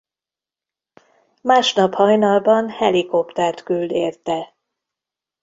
Másnap hajnalban helikoptert küld érte.